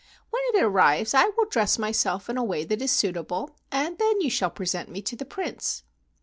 When it arrives I will dress myself in a way that is suitable, and then you shall present me to the Prince."